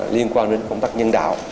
liên quan đến công tác nhân đạo